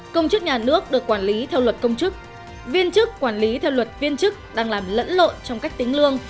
công chức nhà nước được quản lý theo luật công chức viên chức quản lý theo luật viên chức đang làm lẫn lộn trong cách tính lương